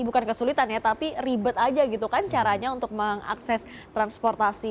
bukan kesulitan ya tapi ribet saja caranya untuk mengakses transportasi